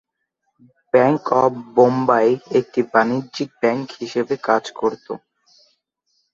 Bank of Bombay একটি বাণিজ্যিক bank হিসেবে কাজ করত।